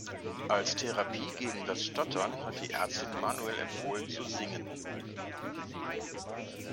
Als Therapie gegen das Stottern hat die Ärztin Manuel empfohlen zu singen.